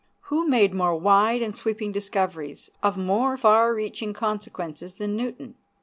Who made more wide and sweeping discoveries, of more far reaching consequences, than Newton?